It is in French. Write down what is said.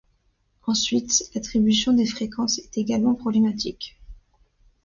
Ensuite, l’attribution des fréquences est également problématique.